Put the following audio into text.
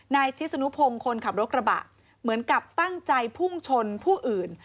ชิศนุพงศ์คนขับรถกระบะเหมือนกับตั้งใจพุ่งชนผู้อื่น